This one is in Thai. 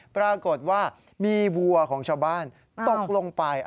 ปรากฏว่ามีวัวของชาวบ้านตกลงไป